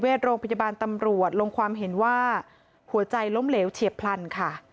จากต้นแพทย์นิติเวทย์โรงพยาบาลตำรวจลงความเห็นว่าหัวใจล้มเหลวเฉียบพลันค่ะ